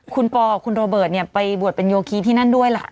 คุณปอกับคุณโรเบิร์ตไปบวชเป็นโยคีที่นั่นด้วยล่ะ